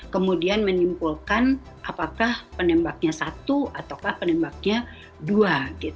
kemudian menyimpulkan apakah penembaknya satu atau penembaknya dua